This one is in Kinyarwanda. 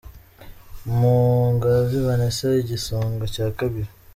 Mpogazi Vanessa : Igisonga cya Kabiri